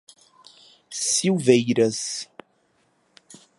Silveiras